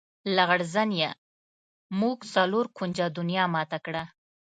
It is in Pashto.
لغړزنیه! موږ څلور کونجه دنیا ماته کړه.